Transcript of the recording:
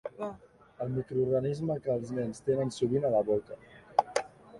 El microorganisme que els nens tenen sovint a la boca.